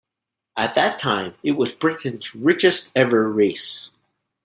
At that time, it was Britain's richest ever race.